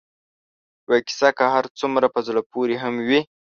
یوه کیسه که هر څومره په زړه پورې هم وي